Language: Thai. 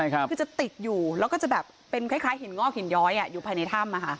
คือจะติดอยู่แล้วก็จะแบบเป็นคล้ายหินงอกหินย้อยอยู่ภายในถ้ำ